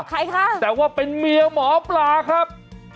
ใครคะแต่ว่าเป็นเมียหมอปลาครับ